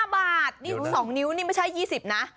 ๕บาทนี่๒นิ้วนี่ไม่ใช่๒๐นะ